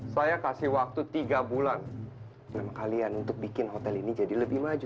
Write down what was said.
saya kasih waktu tiga bulan nama kalian untuk bikin hotel ini jadi lebih maju